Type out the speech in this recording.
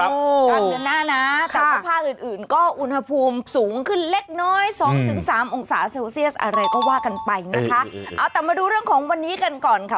ว่ากันไปนะคะเอาแต่มาดูเรื่องของวันนี้กันก่อนค่ะ